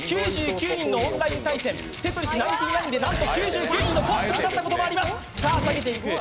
９９人のオンライン対戦「テトリス」ランキングでなんと９９人のトップになったこともあります。